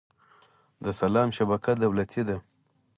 د سلام شبکه دولتي ده؟